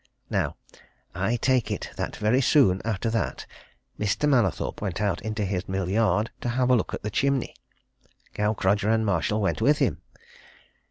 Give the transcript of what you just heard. Now I take it that very soon after that, Mr. Mallathorpe went out into his mill yard to have a look at the chimney Gaukrodger and Marshall went with him.